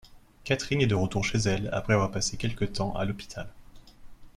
Katherine est de retour chez elle après avoir passé quelque temps à l’hôpital.